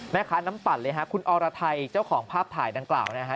น้ำปั่นเลยฮะคุณอรไทยเจ้าของภาพถ่ายดังกล่าวนะฮะ